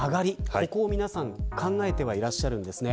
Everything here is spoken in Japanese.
ここを皆さん、考えてはいらっしゃるんですね。